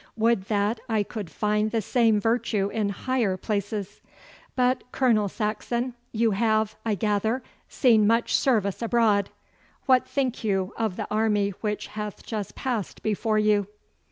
Would that I could find the same virtue in higher places! But, Colonel Saxon, you have, I gather, seen much service abroad. What think you of the army which hath just passed before you?